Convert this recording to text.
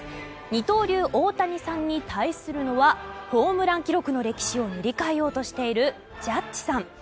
二刀流・大谷さんに対するのはホームラン記録の歴史を塗り替えようとしているジャッジさん。